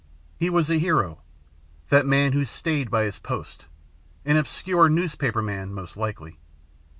He was a hero, that man who staid by his post an obscure newspaperman, most likely.